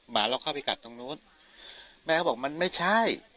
หมาเราเข้าไปกัดตรงนู้นแม่เขาบอกมันไม่ใช่